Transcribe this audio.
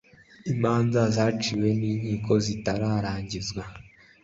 Imanza zaciwe n inkiko zitarangizwa